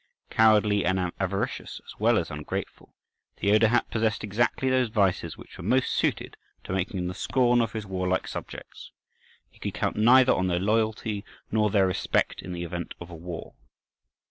(10) Cowardly and avaricious as well as ungrateful, Theodahat possessed exactly those vices which were most suited to make him the scorn of his warlike subjects; he could count neither on their loyalty nor their respect in the event of a war.